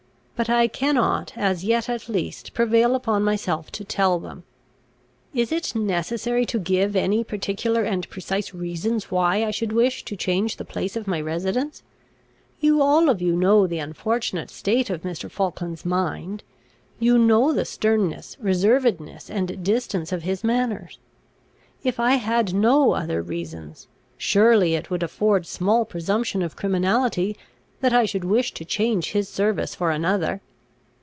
But I cannot, as yet at least, prevail upon myself to tell them. Is it necessary to give any particular and precise reasons why I should wish to change the place of my residence? You all of you know the unfortunate state of Mr. Falkland's mind. You know the sternness, reservedness, and distance of his manners. If I had no other reasons, surely it would afford small presumption of criminality that I should wish to change his service for another.